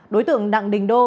đối tượng đặng đình đô